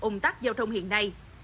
ồn tắc giao thông hiện nay